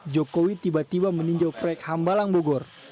jokowi tiba tiba meninjau proyek hambalang bogor